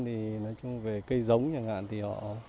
nói chung là cây giống ngoài cây giống thì họ